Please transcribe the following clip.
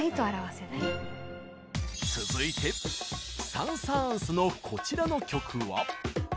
続いてサン・サーンスのこちらの曲は。